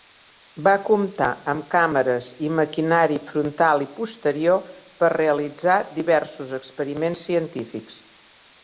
Va comptar amb càmeres i maquinari frontal i posterior per realitzar diversos experiments científics.